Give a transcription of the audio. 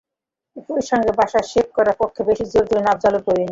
একই সঙ্গে বাসায় শেভ করার পক্ষে বেশি জোর দিলেন আফজালুল করিম।